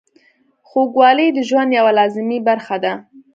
خوږوالی د ژوند یوه لازمي برخه ده.